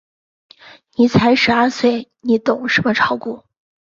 你才十二岁，你懂什么炒股？